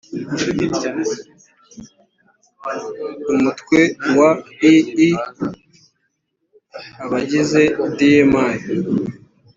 umutwewa ii: abagize dma